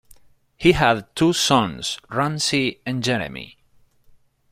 He had two sons Ramsay and Jeremy.